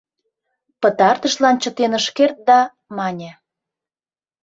Пытартышлан чытен ыш керт да мане: